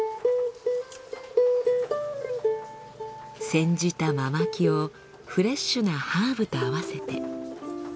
煎じたママキをフレッシュなハーブと合わせて。